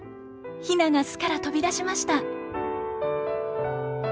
ヒナが巣から飛び出しました。